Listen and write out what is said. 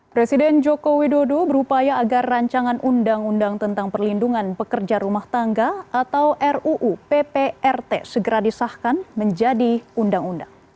presiden joko widodo berupaya agar rancangan undang undang tentang perlindungan pekerja rumah tangga atau ruu pprt segera disahkan menjadi undang undang